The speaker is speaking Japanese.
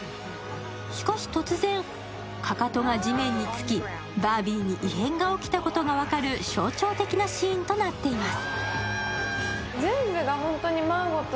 しかし突然かかとが地面につきバービーに異変が起きたことが分かる象徴的なシーンとなっています。